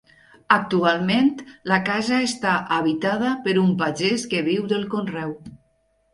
Actualment la casa està habitada per un pagès que viu del conreu.